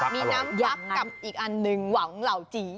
มีน้ำยักษ์กับอีกอันหนึ่งหวังเหล่าจี